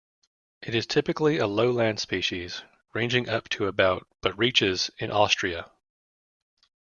It is typically a lowland species, ranging up to about but reaches in Austria.